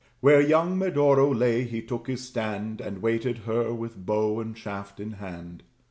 Where young Medoro lay he took his stand, And waited her, with bow and shaft in hand.